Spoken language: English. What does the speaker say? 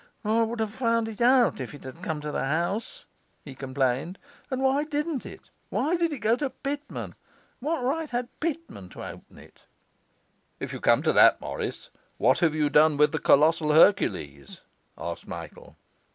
'I would have found it out if it had come to the house,' he complained. 'And why didn't it? why did it go to Pitman? what right had Pitman to open it?' 'If you come to that, Morris, what have you done with the colossal Hercules?' asked Michael.